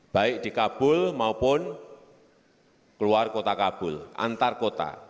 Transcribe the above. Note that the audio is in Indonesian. baik di kabul maupun keluar kota kabul antar kota